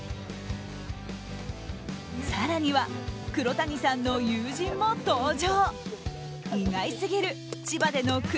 更には、黒谷さんの友人も登場。